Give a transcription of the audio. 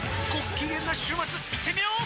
きげんな週末いってみよー！